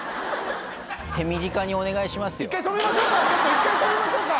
一回止めましょうか。